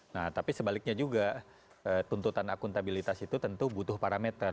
nah tapi sebaliknya juga tuntutan akuntabilitas itu tentu butuh parameter